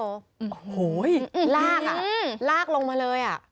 โอ้โหลากลงมาเลย